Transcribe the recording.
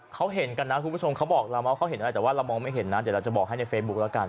เขาเห็นกันนะคุณผู้ชมเขาบอกเราว่าเขาเห็นอะไรแต่ว่าเรามองไม่เห็นนะเดี๋ยวเราจะบอกให้ในเฟซบุ๊คแล้วกัน